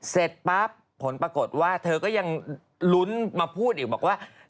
เสร็จปั๊บผลปรากฏว่าเธอก็ยังลุ้นมาพูดอีกบอกว่า